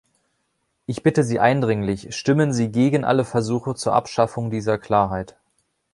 Ich bitte Sie eindringlich, stimmen Sie gegen alle Versuche zur Abschaffung dieser Klarheit.